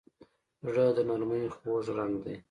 زړه د نرمۍ خوږ رنګ دی.